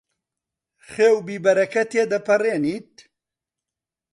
خوێ و بیبەرەکە تێدەپەڕێنیت؟